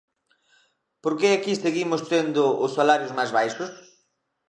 ¿Por que aquí seguimos tendo os salarios máis baixos?